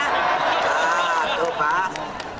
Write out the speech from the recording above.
nah tuh pak